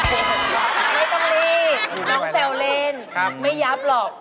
ไม่ต้องรีบน้องแซวเล่นไม่ยับหรอก